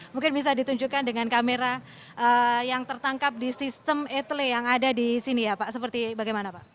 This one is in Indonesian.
mungkin bisa ditunjukkan dengan kamera yang tertangkap di sistem etle yang ada di sini ya pak seperti bagaimana pak